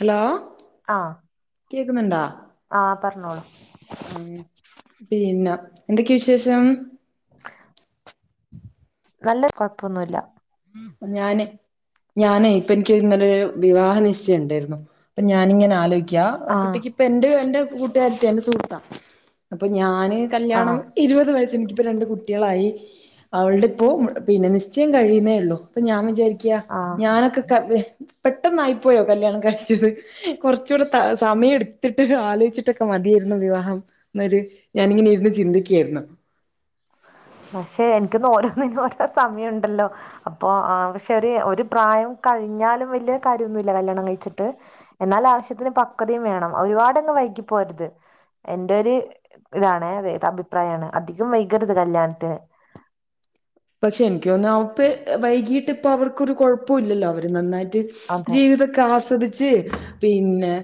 Hello ആഹ് കേക്കുന്നുണ്ടാ? ആഹ് പറഞ്ഞോളൂ. ആഹ് പിന്നെ എന്തൊക്കെ വിശേഷം? നല്ല കുഴപ്പൊന്നുല്ല. ഉം ഞാന് ഞാനേ ഇപ്പെനിക്കിന്നലെ വിവാഹ നിശ്ചയം ഉണ്ടായിരുന്നു. അപ്പൊ ഞാനിങ്ങനെ ആലോയ്ക്കാ ആഹ് കുട്ടിക്ക് ഇപ്പ എന്റെ എന്റെ കൂട്ടുകാരത്തിയാ എന്റെ സുഹൃത്താ അപ്പൊ ഞാന് കല്ല്യാണം ആഹ് ഇരുപത് വയസ്സെനിക്കിപ്പോ രണ്ട് കുട്ടികളായി, അവളുടെ ഇപ്പോ, പിന്നെ നിശ്ചയം കഴിയുന്നേ ഒള്ളു. അപ്പൊ ഞാൻ വിചാരിക്ക്യാ ആഹ് ഞാനൊക്കെ ക്ക വെ പെട്ടെന്നായിപ്പോയോ കല്യാണം കഴിച്ചത് കൊറച്ചൂടെ ത സമയം എടുത്തിട്ട് ആലോചിച്ചിട്ടൊക്കെ മതിയായിരുന്നു വിവാഹം. എന്നക്കെ ഞാനിങ്ങനെ ഇരുന്ന് ചിന്തിക്കുവാരുന്നു. പക്ഷെ എന്തിനും ഓരോന്നിനും ഓരോ സമയൊണ്ടല്ലോ. അപ്പൊ പക്ഷെര് ഒരു പ്രായം കഴിഞ്ഞാലും വലിയ കാര്യോന്നുവില്ല കല്ല്യാണം കഴിച്ചിട്ട്. എന്നാലാവശ്യത്തിന് പക്വതയും വേണം ഒരുപാടങ്ങ് വൈകി പോകരുത്. എന്റൊരു ഇതാണ് അതെ അഭിപ്രായാണ് അധികം വൈകരുത് കല്യാണത്തിന്. പക്ഷെ എനിക്ക് തോന്നുന്നു അവക്ക് വൈകിട്ട് ഇപ്പവർക്കൊരു കുഴപ്പോം ഇല്ലല്ലോ അവര് നന്നായിട്ട് അതെ ജീവിത ആസ്വദിച്ച്, പിന്നെ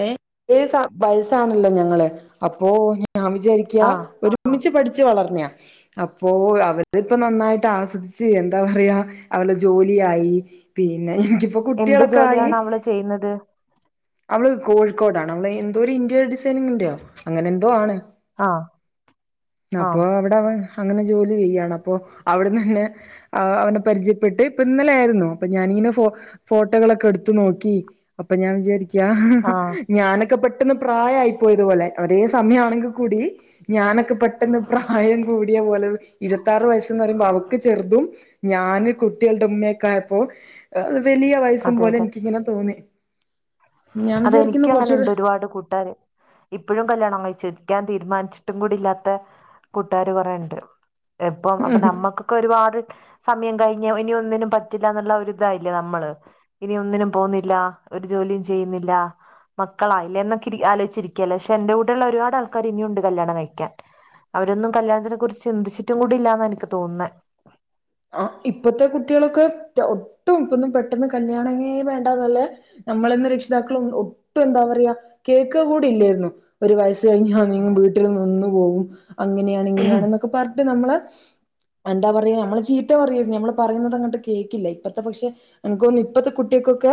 ഏ ഒരേ വയസ്സാണല്ലോ ഞങ്ങള് അപ്പോ ഞാൻ വിചാരിക്ക ക്ക്യ, ആഹ് ഒരുമിച്ച് പഠിച്ച് വളർന്നയാ, അപ്പോ അവര് ഇപ്പ നന്നായ്ട്ട് ആസ്വദിച്ച് എന്താ പറയാ അവള് ജോലിയായി പിന്നെ എനിക്കിപ്പോ എന്ത് കുട്ടികളൊക്കെ ആയി ജോലിയാണ് അവള് ചെയ്യുന്നത് അവള് കോഴിക്കോടാണ് അവള് എന്തോര് ഇന്റീരിയർ ഡിസൈനിങ്ങിന്റെയോ അങ്ങനെന്തോ ആണ് ആഹ് ആഹ് അപ്പൊ അവ്ടെ അവൾ അങ്ങനെ ജോലി ചെയ്യാണ് അപ്പൊ അവ്ട്ന്ന് തന്നെ അ അവന പരിചയപ്പെട്ട് ഇപ്പ ഇന്നലെ ആയിരുന്നു അപ്പ ഞാനിങ്ങനെ ഫോ ഫോട്ടകളൊക്ക എട്ത്ത് നോക്കി അപ്പ ഞാൻ വിചാരിക്ക യാ ആഹ് ഞാനെക്ക പെട്ടെന്ന് പ്രായായി പോയതുപോലെ അതെ സമയാണെങ്കി കൂടി ഞാനെക്ക പെട്ടെന്ന് പ്രായം കൂടിയ പോലെ ഇരുത്താറ് വയസ്ന്ന് പറയുമ്പോ അവക്ക് ചെറുതും ഞാന് കുട്ടികൾടെ ഇമ്മയക്കായപ്പോ വെലിയ വയസ്സും പോലെ എനിക്കിങ്ങനെ തോന്നി ഞാൻ വിചാരിക്കുന്നു അതെനിക്കു അങ്ങന്ണ്ട് കുറച്ചൂടെ ഒരുപാട് കൂട്ടാര് ഇപ്പഴും കല്യാണം കഴിച്ചിരിക്കാൻ തീരുമാനിച്ചിട്ടും കൂടി ഇല്ലാത്ത കൂട്ടുകാര് കൊറേണ്ട്. എപ്പം അപ്പ ഉം നമ്മക്ക് ക്ക ഒരുപാട് സമയം കഴിഞ്ഞ് ഇനി ഒന്നിനും പറ്റില്ലാന്ന്ള്ള ഒരിതായില്ലെ നമ്മള് ഇനി ഒന്നിനും പോവുന്നില്ല ഒര് ജോലിയും ചെയ്യുന്നില്ല മക്കളായില്ലെ എന്നൊക്കെ ഇരി ആലോയിച്ചിരിക്കയല്ലേ പക്ഷെ എന്റെ കൂട്ടുള്ള ഒരുപാട് ആൾക്കാര് ഇനിയുണ്ട് കല്യാണം കഴിക്കാൻ അവരൊന്നും കല്യാണത്തിനെ കുറിച്ച് ചിന്തിച്ചിട്ട് കൂടി ഇല്ലാന്ന എനിക്ക് തോന്നുന്നെ ആഹ് ഇപ്പത്തെ കുട്ടികളൊക്ക ഒട്ടും ഇപ്പൊന്നും പെട്ടെന്ന് കല്യാണങ്ങെ വേണ്ടാന്ന്ള്ളെ നമ്മളെന്നും രക്ഷിതാക്കളും ഒട്ടും എന്താ പറയാ കേക്ക്ക കൂടി ഇല്ലേരുന്നു ഒരു വയസ്സ് കഴിഞ്ഞാ നീങ്ങും അതെ വീട്ടില് നിന്നു പോകും അങ്ങനെയാണ് ഇങ്ങനെയാണ്ന്നൊക്കെ പറ്ട്ട് നമ്മളെ എന്താ പറയ നമ്മള് ചെ ചീത്ത പറയും ഞമ്മള് പറയുന്നത് അങ്ങട്ട് കേക്കില്ല ഇപ്പത്തെ പക്ഷെ എന്ക്ക്തോന്ന് ഇപ്പത്തെ കുട്ട്യേക്കൊക്കെ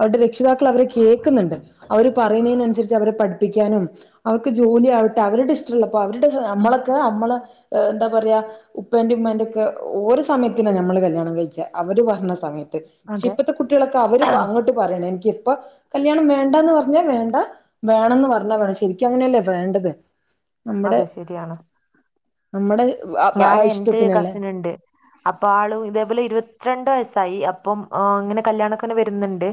അവര്ടെ രക്ഷിതാക്കൾ അവരെ കേക്ക്ന്ന്ണ്ട് അവര് പറയുന്നെനനുസരിച്ച് അവരെ പഠിപ്പിക്കാനും അവർക്ക് ജോലി ആവട്ടെ അവരുടെ ഇഷ്ടൊള്ളപ്പൊ അവരുടെ സ അമ്മളൊക്ക അമ്മള് എന്താ പറയാ ഉപ്പന്റിം ഉമ്മാന്റൊക്കെ ഓര് സമയത്തിന ഞമ്മള് കല്യാണം കഴിച്ച അവര് പറഞ്ഞ സമയത്ത് പക്ഷെ അതെ ഇപ്പത്ത കുട്ട്യളൊക്ക അവര് പ അങ്ങട്ട് പറയണം എനിക്ക് ഇപ്പ കല്യാണം വേണ്ടാന്ന് പറഞ്ഞാ വേണ്ട വേണന്ന് പറഞ്ഞാ വേണം ശരിക്കു അങ്ങനെയല്ലെ വേണ്ടത് നമ്മുടെ അതെ ശരിയാണ് നമ്മുടെ ഞാന് എന്റെ ഇഷ്ടത്തിനല്ലേ കസിന്ണ്ട് അപ്പ ആളു ഇതേപോലെ ഇരുപത്തിരണ്ട് വയസ്സായി അപ്പം ആഹ് ഇങ്ങനെ കല്യാണക്കനെ വര്ന്ന്ണ്ട്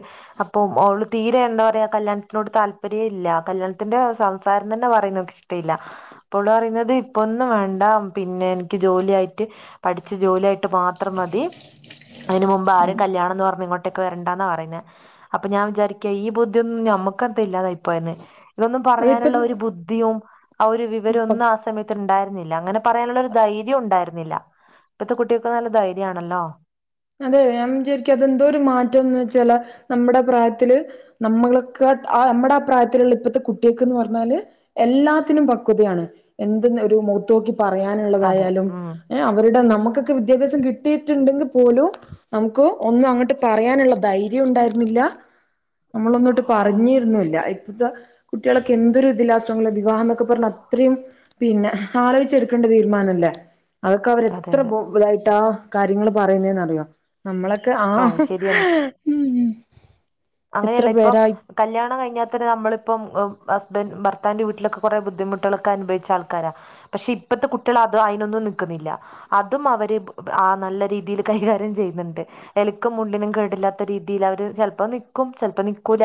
അപ്പൊ ഓള് തീരെ എന്താ പറയാ കല്യാണത്തിനോട് താല്പര്യേല്ല കല്യാണത്തിന്റെ സംസാരം തന്നെ പറയുന്നത് ഇഷ് ഷ്ട ഇല്ല അപ്പ ഓള് പറയുന്നത് ഇപ്പൊന്നും വേണ്ട പിന്നെ എനിക്ക് ജോലിയായിട്ട് പഠിച്ച് ജോലിയായിട്ട് മാത്രം മതി അയിന് മുമ്പ് ആരും കല്യാണംന്ന് പറഞ്ഞ് ഇങ്ങോട്ടെക്ക് വരെണ്ടാന്നാ പറയ്ന്നെ അപ്പൊ ഞാൻ വിചാരിക്കാ ഈ ബുദ്ധിയൊന്നും ഞമ്മക്ക് എന്ത ഇല്ലാതായ് പോയെന്നെ ഇതൊന്നും അതിപ്പ പറയാനുള്ള ഒരു ബുദ്ധിയും ആ ഒര് വിവരം ഒന്നും ആ സമയത്ത് ഉണ്ടായിരുന്നില്ല അങ്ങനെ പറയാനുള്ളരു ധൈര്യം ഉണ്ടായിരുന്നില്ല ഇപ്പത്തെ കുട്ട്യക്ക് നല്ല ധൈര്യം ആണല്ലോ അതെ ഞാൻ വിചാരിക്കുവ അതെന്തോര് മാറ്റംന്ന് വെച്ചാല് നമ്മ്ടെ പ്രായത്തില് നമ്മള്ക്കാ ആഹ് നമ്മട ആ പ്രായത്തിലുള്ള ഇപ്പത്തെ കുട്ട്യക്ക്ന്ന് പറഞ്ഞാല് എല്ലാത്തിനും പക്വതയാണ് എന്ത്ന്ന് ഒരു മോ ത്തൊക്കി അതെ പറയാനുള്ളതായാലും ഉം ഏഹ് അവരുടെ നമുക്കൊക്കെ വിദ്യാഭ്യാസം കിട്ടിയിട്ടുണ്ടെങ്കി പോലും നമുക്ക് ഒന്നും അങ്ങട്ട് പറയാനുള്ള ധൈര്യം ഉണ്ടായിരുന്നില്ല നമ്മളൊന്നോട്ട് പറഞ്ഞിരുന്നൂല്ല ഇപ്പോത്ത കുട്ട്യളൊക്കെ എന്തൊരു ഇതിലാ ശ്രമോള്ളെ വിവാഹംന്നോക്ക പറഞ്ഞ അത്രയും പിന്നെ ആലോയിച്ചെടുക്കണ്ട തീരുമാനല്ലേ അതൊക്കെ അവര് അതെ എത്ര അതെ ബോ ഇതിയിട്ടാ കാര്യങ്ങള് പറയുന്നെന്നറിയോ നമ്മളൊക്കെ അത് ആഹ് ശരിയാണ് അങ്ങനെയല്ല ഇപ്പം പേരായി കല്യാണം കഴിഞ്ഞാതെന്നെ നമ്മളിപ്പം ഹസ്ബന്റ് ഭർത്താവിന്റെ വീട്ടിലൊക്കെ കൊറേ ബുദ്ധിമുട്ടുകളൊക്ക അനുഭവിച്ച ആൾക്കാരാ പക്ഷെ ഇപ്പത്തെ കുട്ട്യള് അത് അയിനൊന്നും നിക്കുന്നില്ല അതും അവര് ആഹ് നല്ല രീതിയിൽ കൈകാര്യം ചെയ്യ്ന്ന്ണ്ട്. എലക്കും മുള്ളിനും കേടില്ലാത്ത രീതിയിൽ അവര് ചെൽപ്പം നിക്കും ചെൽപ്പം നിക്കൂല.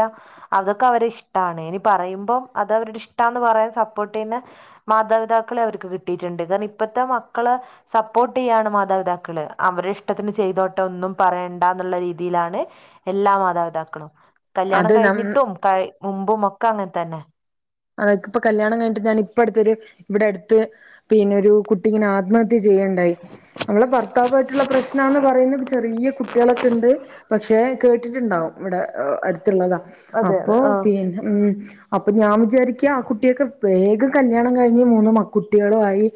അതൊക്കെ അവരെ ഇഷ്ടാണ് ഇനി പറയുമ്പം അത് അവരുടെ ഇഷ്ട എന്ന് പറയാൻ സപ്പോർട്ട് ചെയ്യുന്ന മാതാപിതാക്കളെ അവർക്ക് കിട്ടിയിട്ട്ണ്ട് കാര്ണം ഇപ്പത്തെ മക്കള് സപ്പോർട്ട് ചെയ്യാണ് മാതാപിതാക്കള് അവരെ ഇഷ്ടത്തിന് ചെയ്തോട്ടെ ഒന്നും പറയണ്ടാന്നുള്ള രീതിയിലാണ് എല്ലാ മാതാപിതാക്കളും. കല്യാണം അത് നം കഴിഞ്ഞിട്ടും കഴി മുൻപും ഒക്കെ അങ്ങൻതന്നെ. ആഹ് ഇക്ക് പ്പ കല്യാണം കഴിഞ്ഞിട്ട് ഞാൻ ഇപ്പ അട്ത്തൊരു ഇവിടെ അടുത്ത് പിന്നെ ഒരു കുട്ടിങ്ങെനെ ആത്മഹ ത്യ ചെയ്യ് ണ്ടായി. അവളെ ഭർത്താവു ആയിട്ടുള്ള പ്രശ്നാന്ന് പറയുന്ന് ചെറിയ കുട്ട്യേളൊക്കെ ണ്ട്. പക്ഷെ കേട്ടിട്ടുണ്ടാവും ഇവടെ അടുത്തുള്ളതാ അതെ അതെ അപ്പോ ആഹ് പിന്നെ ഉം അപ്പൊ ഞാൻ വി ചാരിക്ക്യാ ആ കുട്ടിയൊക്കെ വേഗം കല്യാണം കഴിഞ്ഞ് മൂന്ന് മ കുട്ടികളും ആയി.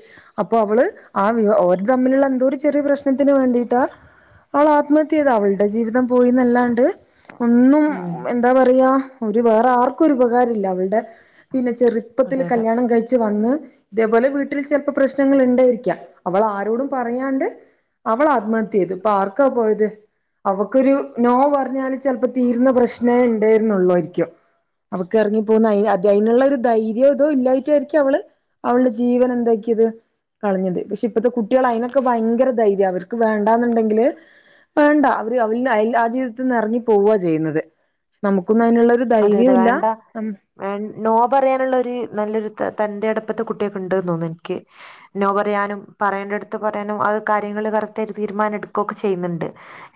അപ്പൊ അവള് ആ വ് ഓര് തമ്മിലുള്ള എന്തോ ഒരു ചെറിയ പ്രശ്നത്തിന് വേണ്ടിയിട്ടാ അവളാത്മ ഹത്യ ചെയ്ത്. അവൾടെ ജീവിതം പോയീന്നല്ലാണ്ട് ഒന്നും ഉം എ ന്താ പറയാ ഒരു വേറെ ആർക്കും ഉപകാരല്ല അവൾടെ പിന്നെ ചെറി അതെ പ്പത്തില് അതെ കല്യാണം കഴിച്ചു വന്ന് ഇതേപോലെ വീട്ടിൽ ചെൽപ്പ പ്രശ്നങ്ങള്ണ്ടായിരിക്കാം അവളാരോടും പറയാണ്ട് അവളാത്മഹത്യ ചെയ്ത്. ഇപ്പാർക്കാ പോയത്, അവക്കൊരു നോ പർഞ്ഞാല് ചെൽപ്പം തീരുന്ന പ്രശ്നേ ഇണ്ടേര്ന്നൊള്ളു ആയ്രിക്ക്യും. അവക്ക് എർങ്ങിപ്പോന്ന് അയ് അ തയ്നുള്ളൊരു ധൈര്യോ ഇതോ ഇല്ലായിട്ടായിരിക്ക്യാ അവള് അവൾടെ ജീവൻ എന്താക്കിയത് കളഞ്ഞത്. പക്ഷെ ഇപ്പത്തെ കുട്ട്യേൾ അയ്നൊക്കെ ഭയങ്കര ധൈര്യാ. അവർക്ക് വേണ്ടാന്നുണ്ടെങ്കില് വേണ്ട. അവര് അവ അയ്ൽ ആ ജീവിതത്ത് ന്ന് എർങ്ങി പോവാ ചെയ്യുന്നത്. നമുക്കൊന്നും അയ്നുള്ളരു അതെ അതെ വേണ്ട വേൺ നോ പറയാനുള്ള ഒരു നല്ലൊരു ത തന്റേടം ഇപ്പത്തെ കുട്ട്യേക്ക് ണ്ട് ന്ന് തോന്നുന്നു ഇൻക്ക്. നോ പറയാനും പറയേണ്ടട്ത്ത് പറയാനും അത് കാര്യങ്ങൾ കറക്റ്റ് ആയിട്ട് തീരുമാനം എടുക്കൊക്കെ ചെയ്യുന്നുണ്ട്.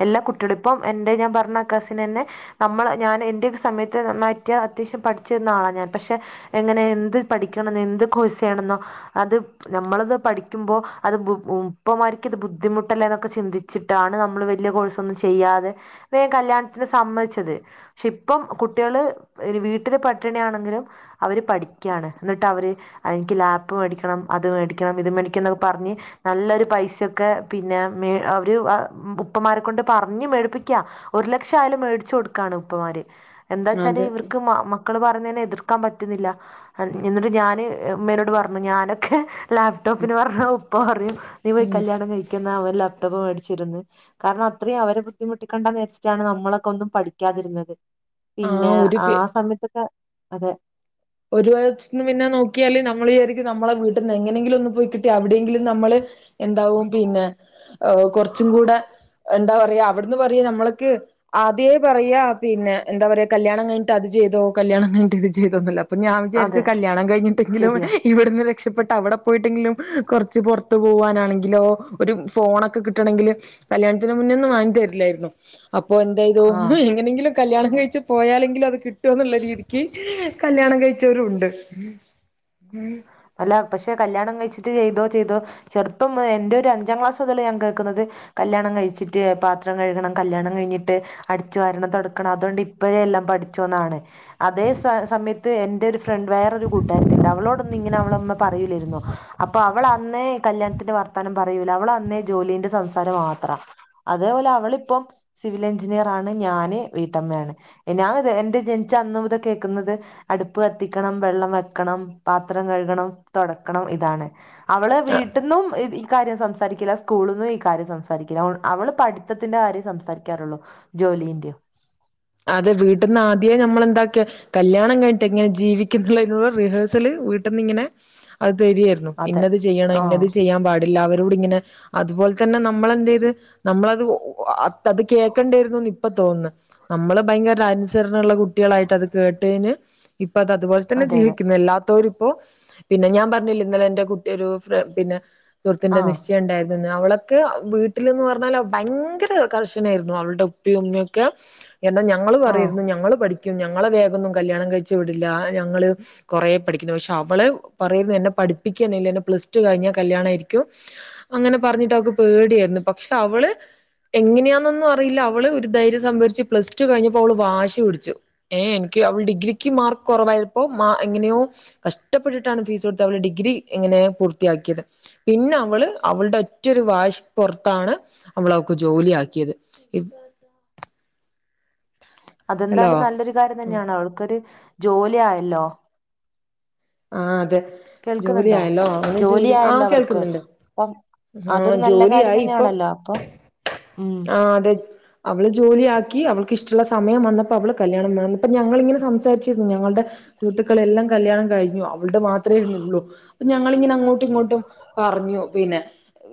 എല്ലാ കുട്ട്യേളും ഇപ്പം എന്റെ ഞാൻ പർഞ്ഞ കസിനെന്നെ നമ്മള് ഞാൻ എന്റെ സമയത്ത് നന്നായിറ്റ് അത്യാവശ്യം പഠിച്ചിരുന്ന ആളാ ഞാൻ പക്ഷേ എങ്ങനെ എന്ത് പഠിക്കണം എന്ത് കോഴ്സ് ചെയ്യണംന്നോ അത് നമ്മളത് പഠിക്കുമ്പോ അത് ബു ഉപ്പമാർക്ക്ത് ബുദ്ധിമുട്ടല്ലേ ന്നൊക്കെ ചിന്തി ച്ചിട്ടാണ് നമ്മള് വല്യ കോഴ്സൊന്നും ചെയ്യാതെ വേം കല്യാൺത്തിന് സമ്മതിച്ചത്. പക്ഷെ ഇ ഇപ്പം കുട്ട്യേള് വീട്ടില് പട്ടിണി ആണെങ്കിലും അവര് പഠിക്ക്യാണ്. എന്നിട്ടവര് അയിൻക്ക് ലാപ് മേടിക്കണം അത് മേടിക്കണം ഇത് മേടിക്കണം ന്നൊക്കെ പർഞ്ഞ് നല്ലൊരു പൈസയൊക്കെ പിന്നെ മേ അവര് ഉപ്പമാരെ കൊണ്ട് പറഞ്ഞ് മേടിപ്പിക്കാ ഒരു ലക്ഷായാലും മേടിച്ചു കൊടുക്കാണ് ഉപ്പമാര്. എന്താച്ചാല് അതെ ഇവർക്ക് മ മക് ക്കള് പറിന്നേനെ എതിർക്കാൻ പറ്റുന്നില്ല. എ എന്നിട്ട് ഞാന് ഉമ്മേനോട് പർഞ്ഞു ഞാനൊക്കെ ലാപ്ടോപ്പിന് പർഞ്ഞാ ഉപ്പ പറയും നീ പോയി ഉം കല്യാണം കഴിക്കെന്നാ അവൻ ലാപ്ടോപ്പ് മേടിച്ചു തരുംന്ന്. കാരണം അത്രിം അവരെ ബുദ്ധിമുട്ടിക്കണ്ടാന്ന് വിചാര്ച്ച്ട്ടാണ് നമ്മളൊക്കെ ഒന്നും പഠിക്കാതിരുന്നത്. ആ പിന്നെ ഒരു ആ സമയത്തൊക്കെ, അതെ. ഒരു വായ്ത്ത് ന്ന് പിന്നെ നോക്കിയാല് നമ്മൾ വിചാരിക്കും നമ്മള് വീട്ട്ന്നെങ്ങനെങ്കിലു ഒന്ന് പോയി കിട്ടി അവിടെയെങ്കിലും നമ്മള് എന്താവും പിന്നെ ഏഹ് കൊർച്ചും കൂടെ എന്താ പറയാ അവിട്ന്ന് പറയും നമ്മൾക്ക് ആദ്യെ പറയാ പിന്നെ എന്താ പറയാ കല്യാണം കഴിഞ്ഞിട്ട് അത് ചെയ്തോ കല്യാണം കഴിഞ്ഞിട്ട് ഇത് ചെയ്തോ എന്നല്ലാം. അപ്പം ഞാൻ വിചാരിച്ച് അതെ കല്യാണം കഴിഞ്ഞിട്ടെങ്കിലും ശരിയാ ഇവട്ന്ന് രക്ഷപ്പെട്ട് അവടെ പോയിട്ടെങ്കിലും കൊർച്ച് പൊർത്ത് പോവാനാണെങ്കിലോ ഒരു ഫോണൊക്കെ കിട്ടണെങ്കില് കല്യാൺത്തിന് മുന്നേ ഒന്നും വാങ്ങി തരില്ലായിരുന്നു. അപ്പൊ എന്തെയ്തു ആഹ് എങ്ങനെങ്കിലും കല്യാണം കഴിച്ച് പോയാലെങ്കിലും അത് കിട്ടുമ എന്നുള്ള രീതിക്ക് കല്യാണം കഴിച്ചവരും ഉണ്ട് അല്ല പക്ഷെ കല്യാണം കഴിച്ചിട്ട് ചെയ്തോ ചെയ്തോ ചെറുപ്പം എന്റെ ഒരു അഞ്ചാം ക്ലാസ് മുതലേ ഞാൻ കേൾക്കുന്നത് കല്യാണം കഴിച്ചിട്ട് പാത്രം കഴുകണം കല്യാണം കഴിഞ്ഞിട്ട് അടിച്ചു വാരണം തുടക്കണം അതുകൊണ്ട് ഇപ്പഴെ എല്ലാം പഠിച്ചുന്നാണ് അതേ സ സമയത്ത് എന്റെ ഒരു ഫ്രണ്ട് വേറെരു കൂട്ടാരത്തിണ്ട് അവളോടൊന്നും ഇങ്ങനെ അവളമ്മ പറയൂല്ലരുന്നു അപ്പൊ അവള അന്നേ കല്യാണത്തിന്റെ വർത്താനം പറയൂല അവൾ അന്നേ ജോലീന്റെ സംസാരം മാത്രം അതേപോലെ അവളിപ്പം സിവിൽ എഞ്ചിനീയർ ആണ് ഞാന് വീട്ടമ്മയാണ് ഞാൻ എന്റെ ജനിച്ച അന്ന മുതൽ കേക്കുന്നത് അടുപ്പ് കത്തിക്കണം വെള്ളം വെക്കണം പാത്രം കഴുകണം തുടക്കണം ഇതാണ് അവള് വീട്ടിൽന്നും ഇക്കാര്യം സംസാരിക്കില്ല സ്കൂളന്നും ഈ കാര്യം സംസാരിക്കില്ല അവള് പഠിത്തത്തിന്റെ കാര്യം സംസാരിക്കാറുള്ളോ ജോലീന്റെയോ അതെ വീട്ടന്ന് ആദ്യേ നമ്മളെന്താക്കിയ കല്യാണം കഴിഞ്ഞിട്ട് എങ്ങനെ ജീവിക്കുന്നുതിനുള്ള റിഹേഴ്സല് വീട്ടന്നിങ്ങനെ അത് തരികയായിരുന്നു അതെ ഇന്നത് ചെയ്യണം ആ ഇന്നത് ചെയ്യാൻ പാടി എല്ലാ വരോട് ഇങ്ങനെ അതുപോലെ തന്നെ നമ്മൾ എന്ത് ചെയ്ത് നമ്മളത് അത് കേൾക്കേണ്ടിയിരുന്നുന്ന് ഇപ്പൊ തോന്നുന്നു നമ്മള് ഭയങ്കര അനുസരണുള്ള കുട്ടി കുട്ടികളായിട്ട് അത് കേട്ടയ്ന് ഇപ്പൊ അത് അതുപോലെ തന്നെ അതെ അതെ ജീവിക്കുന്ന എല്ലാത്തൊരു ഇപ്പോ പിന്നെ ഞാൻ പറഞ്ഞില്ല ഇന്നലെ എന്റെ കുട്ടിയ ഒരു പിന്നെ ആ സുഹൃത്തിന്റെ നിശ്ചയം ഉണ്ടായിരുന്നുന്ന് അവളെ അവൾക്ക് വീട്ടിൽന്ന് പറഞ്ഞാല ഭയങ്കര കർശനായിരുന്നു അവളുടെ ഉപ്പി ഉമ്മയൊക്കെ ഞങ്ങൾ ആ പറയരുന്നു ഞങ്ങൾ പഠിക്കും ഞങ്ങളെ വേഗം ഒന്നും കല്യാണം കഴിച്ചു വിടില്ല ഞങ്ങൾ കുറേ പഠിക്കുന്നു പക്ഷെ അവള് പറയുന്നു എന്നെ പഠിപ്പിക്കുകയാണെങ്കിൽ എന്നെ പ്ലസ് ടു കഴിഞ്ഞൽ കല്യാണമായിരിക്കും അങ്ങനെ പറഞ്ഞിട്ട് അവക്ക് പേടിയായിരുന്നു പക്ഷെ അവള് എങ്ങനെയാണൊന്നും അറിയില്ല അവള് ഒരു ധൈര്യ സംഭരിച്ച് പ്ലസ് പഠിച്ചു കഴിഞ്ഞപ്പോ അവള് വാശി പിടിച്ചു ഏഹ് എനിക്ക് അവൾക്ക് ഡിഗ്രിക്ക് മാർക്ക് കുറവായപ്പോ മാ എങ്ങനെയോ കഷ്ടപ്പെട്ടിട്ടാണ് ഫീസ് കൊടുത്ത അവള ഡിഗ്രി ഇങ്ങനെ പൂർത്തിയാക്കിയത് പിന്നെ അവള് അവളുടെ ഒറ്റൊരു വാശി പുറത്താണ് നമ്മള് അവക്ക് ജോലി ആക്കിയത് ഹലോ അതെന്തായാലും നല്ലൊരു കാര്യം ഉം തന്നെയാണ് അവൾക്കൊരു ജോലി ആയല്ലോ ആഹ് അതെ കേൾക്കുന്നുണ്ടോ ജോലിയായല്ലോ അങ്ങനെ ജോലി ആയല്ലോ ആഹ് അവർക്ക് കേൾക്കുന്നുണ്ട് അപ്പം ആഹ് അതൊരു നല്ല കാര്യം ജോലിയായി ഇപ്പൊ തന്നെയാണല്ലോ അപ്പം ഉം ആഹ് അതെ അവള് ജോലിയാക്കി അവൾക്ക് ഇഷ്ടുള്ള സമയം വന്നപ്പോ അവള് കല്യാണം വേണം പ്പ ഞങ്ങളിങ്ങനെ സംസാരിച്ചിരുന്നു ഞങ്ങളുടെ സുഹൃത്തുക്കളെല്ലാം കല്യാണം കഴിഞ്ഞു അവളടെ മാത്രമേ ഇരുന്നുള്ളൂ ഞങ്ങളിങ്ങനെ അങ്ങോട്ടും ഇങ്ങോട്ടും പറഞ്ഞു പിന്നെ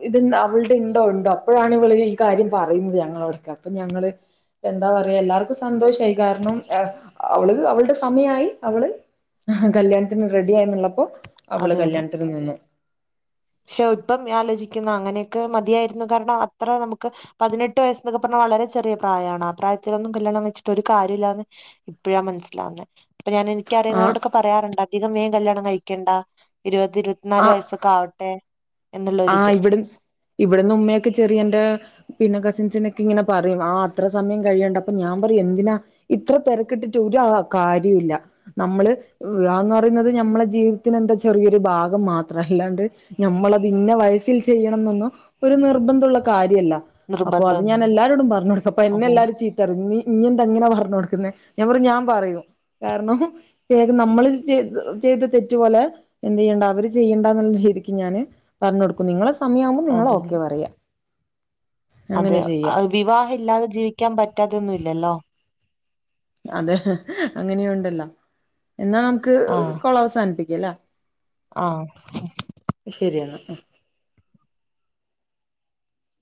ഇത് അവളുടെ ഉണ്ടോ ഉണ്ടോ അപ്പോഴാണ് ഇവള് ഈ കാര്യം പറയുന്നത് ഞങ്ങളോടൊക്കെ അപ്പൊ ഞങ്ങള് എന്താ പറയാ എല്ലാർക്കും സന്തോഷമായി കാരണം അവ അവളുടെ സമയായി അവള് കല്യാ റെഡി ആയി എന്നുള്ളപ്പോ അവള് അതെ അതെ കല്യാണത്തിന് നിന്നു പക്ഷെ ഇപ്പം ആലോചിക്കുന്ന അങ്ങനെയൊക്കെ മതിയായിരുന്നു കാരണം അത്ര നമുക്ക് പതിനെട്ട് വയസ്സ് ഒക്കെ പറഞ്ഞാ വളരെ ചെറിയ പ്രായമാണ് ആ പ്രായത്തിലൊന്നും കല്യാണം വെച്ചിട്ട് ഒരു കാര്യമില്ലാന്ന് ഇപ്പഴാ മനസ്സിലാവുന്നേ അപ്പൊ ഞാന് ആ എനിക്കറിയുന്നവരടൊക്കെ പറയാറുണ്ട് അധികം മേം കല്യാണം കഴിക്കേണ്ട ഇരുപത് ഇരുപത്തിനാല് ആ വയസ്സൊക്കെ ആക [inaudible] ആഹ് ഇവിട ഇവിടന്ന് ഉമ്മയൊക്കെ ചെറിയന്റെ പിന്നെ കസിൻസിനൊക്കെ ഇങ്ങനെ പറയും ആഹ് അത്ര സമയം കഴിയണ്ട അപ്പൊ ഞാൻ പറയും എന്തിനാ ഇത്ര തിരക്കിട്ടിട്ട് ഒരു കാര്യവും ഇല്ല നമ്മള് വിവാഹംന്ന് പറയുന്നത് ഞമ്മളുടെ ജീവിതത്തിന് എന്താ ചെറിയൊരു ഭാഗം മാത്ര അല്ലാണ്ട് ഞമ്മളെ ഇത് ഇന്ന വയസ്സിൽ ചെയ്യണംന്നൊന്നും ഒരു നിർബന്ധള്ള കാര്യല്ല അപ്പൊ അത് ഞാൻ നിർബന്ധമൊന്നുമില്ല എല്ലാരോടും പറഞ്ഞ് കൊടുക്കും അപ്പ എന്നെ അതെ എല്ലാരും ചീത്ത ഇഞ്ഞി എന്താ ഇങ്ങനെ പറഞ്ഞ് കൊടുക്കുന്നേ ഞാൻ പറയും ഞാൻ പറയും കാരണം വേഗം നമ്മൾ ചെയ് ചെയ്ത തെറ്റ് പോലെ എന്ത് ചെയ്യണ്ട അവര് ചെയ്യണ്ടാന്ന്ള്ള വിചാരിക്കും ഞാന് പറഞ്ഞൊട്ക്കും നിങ്ങളെ സമയം ആവുമ്പൊ അതെ നിങ്ങള് ഓക്കെ പറയാ അതെ അങ്ങനെ ചെയ്യാം വിവാഹ ഇല്ലാതെ ജീവിക്കാൻ പറ്റാതൊന്നും ഇല്ലല്ലോ അതെ അങ്ങനിം ഇണ്ടല്ലോ എന്നാ നമുക്ക് ആഹ് കോൾ അവസാനിപ്പിക്കല്ലേ ആഹ് ശരിയെന്നാ